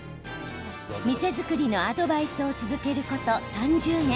店作りのアドバイスを続けること３０年。